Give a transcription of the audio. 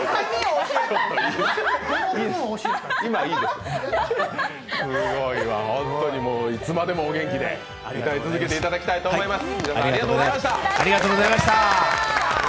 すごいわ、本当にいつまでもお元気で歌い続けていただきたいと思います。